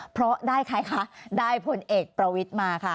เพราะได้ใครคะได้ผลเอกประวิทย์มาค่ะ